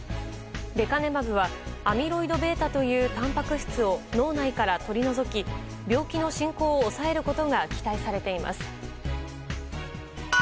レカネマブはアミロイドβというたんぱく質を脳内から取り除き病気の進行を抑えることが期待されています。